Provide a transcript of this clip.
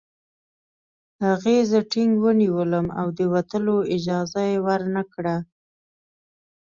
هغې زه ټینګ ونیولم او د وتلو اجازه یې ورنکړه